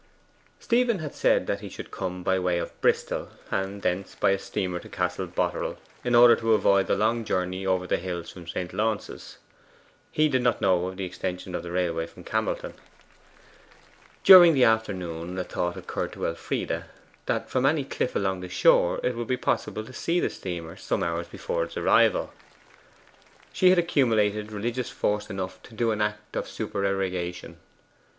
Stephen had said that he should come by way of Bristol, and thence by a steamer to Castle Boterel, in order to avoid the long journey over the hills from St. Launce's. He did not know of the extension of the railway to Camelton. During the afternoon a thought occurred to Elfride, that from any cliff along the shore it would be possible to see the steamer some hours before its arrival. She had accumulated religious force enough to do an act of supererogation.